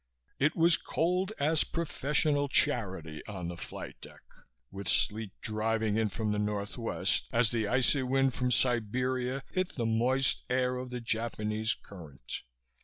It was cold as professional charity on the flight deck, with sleet driving in from the northwest as the icy wind from Siberia hit the moist air of the Japanese Current.